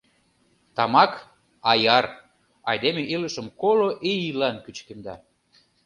Тамак — аяр, айдеме илышым коло ийлан кӱчыкемда.